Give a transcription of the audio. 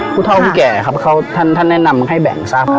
ผู้เท่าผู้แก่ครับท่านแนะนำให้แบ่งทราบครับ